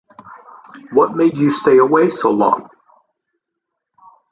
What made you stay away so long?